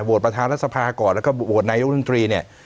ประธานรัฐสภาก่อนแล้วก็โหวตนายกรัฐมนตรีเนี่ย